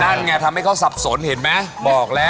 นั่นไงทำให้เขาสับสนเห็นไหม